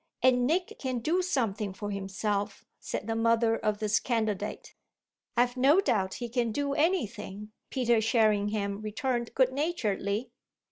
And Nick can do something for himself," said the mother of this candidate. "I've no doubt he can do anything," Peter Sherringham returned good naturedly.